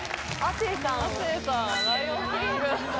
亜生さん「ライオン・キング」